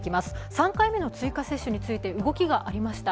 ３回目の追加接種について動きが出てきました。